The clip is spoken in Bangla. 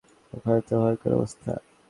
ওখানে তো ভয়ঙ্কর অবস্থা।